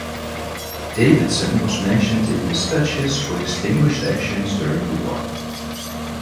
Davidson was mentioned in dispatches for distinguished actions during the war.